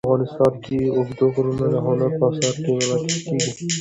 افغانستان کې اوږده غرونه د هنر په اثار کې منعکس کېږي.